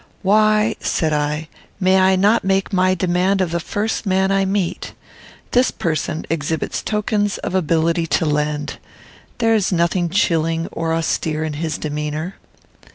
"Why," said I, "may I not make my demand of the first man I meet? This person exhibits tokens of ability to lend. There is nothing chilling or austere in his demeanour."